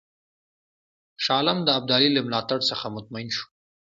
شاه عالم د ابدالي له ملاتړ څخه مطمئن شو.